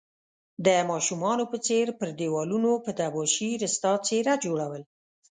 د ماشومانو په څير پر ديوالونو په تباشير ستا څيره جوړول